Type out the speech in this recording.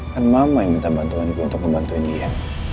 kan mama yang minta bantuan gua untuk membantuin dia